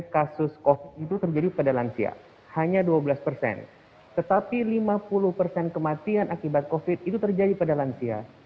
kecemasan sakit itu lansia